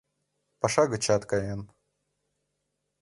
Паша гычат каен.